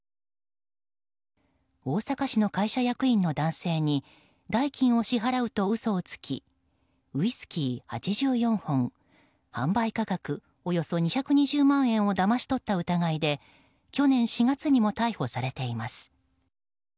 大阪市の会社役員の男性に代金を支払うと嘘をつきウイスキー８４本販売価格およそ２２０万円をだまし取った疑いで去年４月にも逮捕されています。